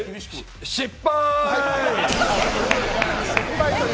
失敗！